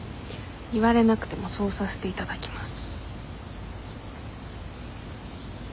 言われなくてもそうさせて頂きます。